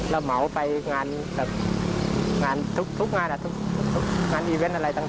แล้วเหมาไปงานแบบทุกงานงานอีเวนต์อะไรต่างอ่ะ